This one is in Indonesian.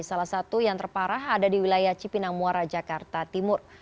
salah satu yang terparah ada di wilayah cipinang muara jakarta timur